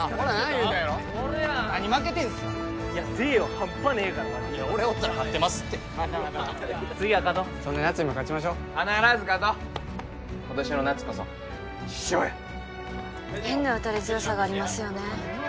言うたやろ何負けてんすかいや星葉半端ねえからいや俺おったら勝ってますってまたまたまた次は勝とうそんなやつにも勝ちましょう必ず勝とう今年の夏こそ１勝や変な打たれ強さがありますよね